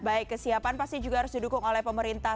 baik kesiapan pasti juga harus didukung oleh pemerintah